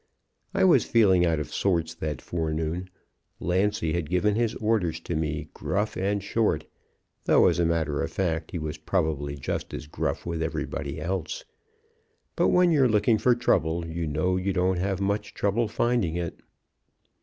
I was feeling out of sorts that forenoon. Lancy had given his orders to me gruff and short, though, as a matter of fact, he was probably just as gruff with everybody else. But when you're looking for trouble, you know, you don't have much trouble finding it.